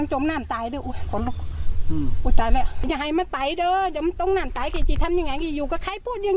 หยุดด้วยนะ